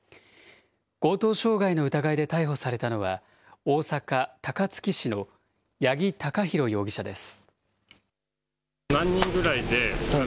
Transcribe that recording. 強盗傷害の疑いで逮捕されたのは、大阪・高槻市の八木貴寛容疑者です。